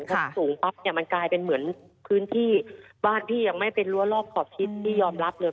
ถ้าสูงปั๊บเนี่ยมันกลายเป็นเหมือนพื้นที่บ้านพี่ยังไม่เป็นรั้วรอบขอบชิดพี่ยอมรับเลย